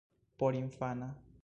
porinfana